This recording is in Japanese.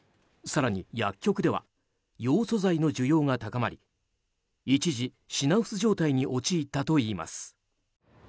更に薬局ではヨウ素剤の需要が高まり一時、品薄状態に陥ったといいます。